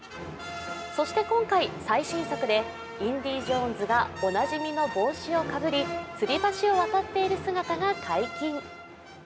そして今回、最新作で「インディ・ジョーンズ」がおなじみの帽子をかぶりつり橋を渡っている姿が解禁。